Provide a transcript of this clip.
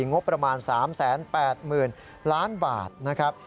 งบประมาณ๓๘๐๐๐ล้านบาทนะครับ